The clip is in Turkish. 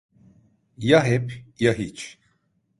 Ya hep ya hiç.